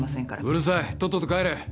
うるさいとっとと帰れ。